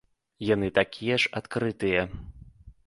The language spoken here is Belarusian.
Яны такі я ж адкрытыя.